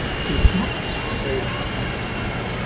"Det er smukt, sagde hun."